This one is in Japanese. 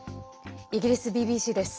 イギリスＢＢＣです。